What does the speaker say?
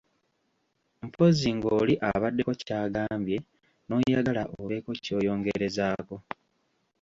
Mpozzi ng’oli abaddeko ky’agambye n’oyagala obeeko ky’oyongerezako.